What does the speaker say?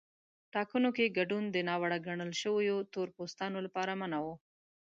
ټاکنو کې ګډون د ناوړه ګڼل شویو تور پوستانو لپاره منع و.